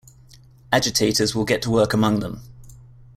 Agitators will get to work among them.